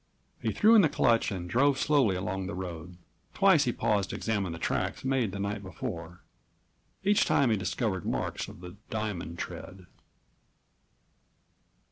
He threw in the clutch and drove slowly along the road. Twice he paused to examine the tracks made the night before. Each time he discovered marks of the diamond tread.